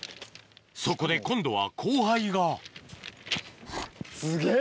そこで今度は後輩がすげぇ！